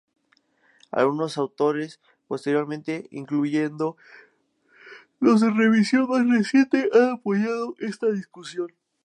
Algunos autores posteriores, incluyendo los de la revisión más reciente, han apoyado esta decisión.